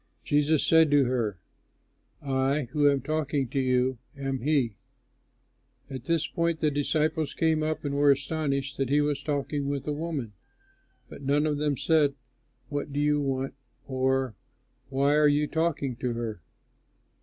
Jesus said to her, "I who am talking to you am he." At this point the disciples came up and were astonished that he was talking with a woman; but none of them said, "What do you want?" or, "Why are you talking to her?"